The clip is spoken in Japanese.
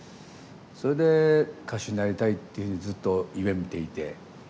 それで歌手になりたいっていうふうにずっと夢みていて。